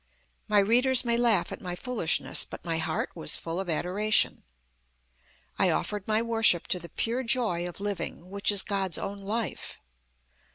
My readers may laugh at my foolishness, but my heart was full of adoration. I offered my worship to the pure joy of living, which is God's own life.